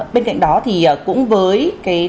bên cạnh đó thì cũng với cái